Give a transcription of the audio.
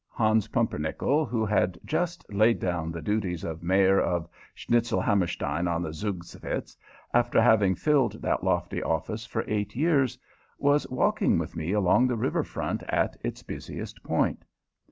Hans Pumpernickel, who had just laid down the duties of Mayor of Schnitzelhammerstein on the Zugvitz, after having filled that lofty office for eight years, was walking with me along the river front at its busiest point.